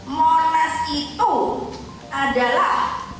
monas itu adalah